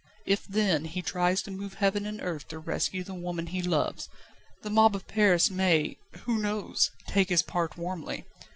If, then, he tries to move heaven and earth to rescue the woman he loves, the mob of Paris may, who knows? take his part warmly.